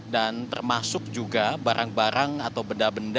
dan termasuk juga barang barang atau benda benda